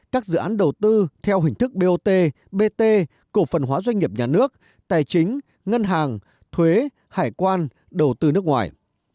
các dự án đầu tư theo hình thức bot bt cổ phần hóa doanh nghiệp nhà nước tài chính ngân hàng thuế hải quan đầu tư nước ngoài